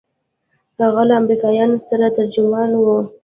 هغه له امريکايانو سره ترجمان و.